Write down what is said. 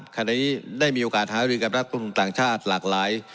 ขณะนี้ได้มีโอกาสหารือกับนักทุนต่างชาติหลากหลาย